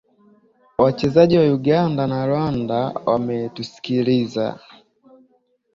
wachezaji wa uganda na rwanda wametusikiliza